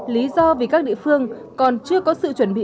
lý do vì các địa phương còn chưa có sự chuẩn bị